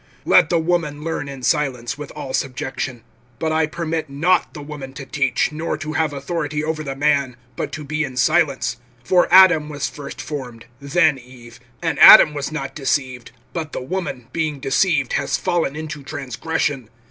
(11)Let the woman learn in silence, with all subjection. (12)But I permit not the woman to teach, nor to have authority over the man, but to be in silence. (13)For Adam was first formed, then Eve. (14)And Adam was not deceived; but the woman, being deceived, has fallen into transgression.